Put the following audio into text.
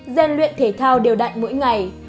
gian luyện thể thao đều đạn mỗi ngày